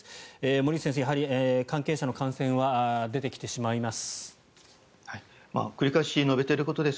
森内先生、やはり関係者の感染は出てきてしまいます。